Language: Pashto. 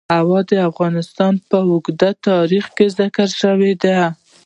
هوا د افغانستان په اوږده تاریخ کې ذکر شوی دی.